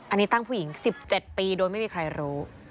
อันนี้ตั้งผู้หญิง๑๗ปีโดยไม่มีใครรู้